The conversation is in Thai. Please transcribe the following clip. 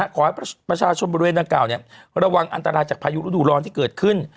ขอให้ประชาชนบริเวณดังกล่าวระวังอันตรายจากพายุฤดูร้อนที่เกิดขึ้น